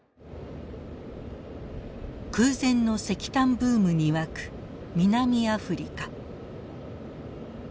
空前の石炭ブームに沸く南アフリカ。